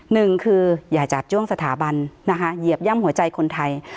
หนึ่งคืออย่าจาบจ้วงสถาบันนะคะเหยียบย่ำหัวใจคนไทย